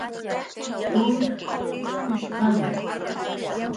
cxunk pichqani